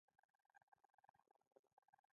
ډینګ شیاؤ پینګ اصلاحات پیل کړل.